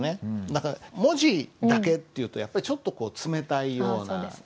だから文字だけっていうとやっぱりちょっとこう冷たいような感じがしちゃうよね。